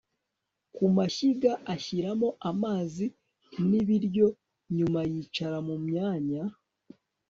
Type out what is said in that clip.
ku mashyiga, ashyiramo amazi n'ibiryo, nyuma yicara mu mwanya